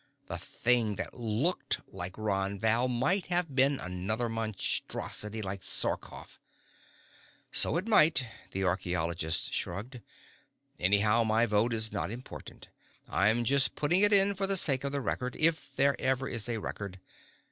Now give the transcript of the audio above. The thing that looked like Ron Val might have been another monstrosity like Sarkoff." "So it might," the archeologist shrugged. "Anyhow my vote is not important. I'm just putting it in for the sake of the record, if there ever is a record.